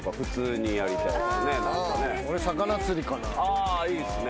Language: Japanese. ああいいっすね。